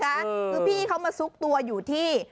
คือพี่เขามาซุกตัวอยู่ที่